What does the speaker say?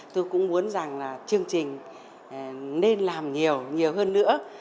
tôi cũng muốn rằng là chương trình nên làm nhiều nhiều hơn nữa